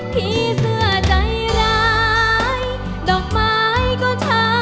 ที่เสื้อใจร้ายดอกไม้ก็ช่างใจอ่อน